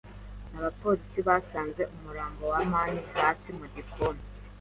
Abapolisi basanze umurambo wa amani hasi mu gikoni.